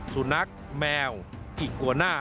สูนักแมวอิกวณะ